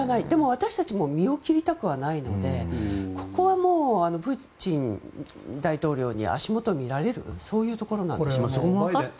でも私たちも身を切りたくはないのでここはもう、プーチン大統領に足元を見られるそういうところなんでしょうね。